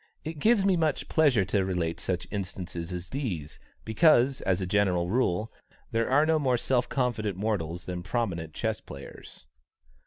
It gives me much pleasure to relate such instances as these, because, as a general rule, there are no more self confident mortals than prominent chess players.